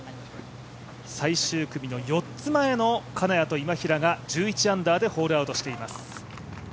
最終組の４つ前の金谷と今平が１１アンダーでホールアウトしています。